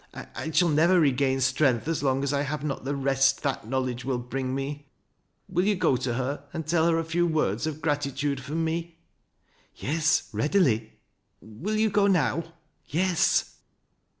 I shall never regain strength as long as I have not the rest that knowledge will bring me. Will you go to her and take her a few words of gratitude from me ?"« Yes, readily." " Will you go now ?"« Yes."